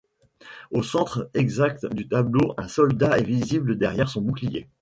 Au centre exact du tableau un soldat est visible derrière son bouclier.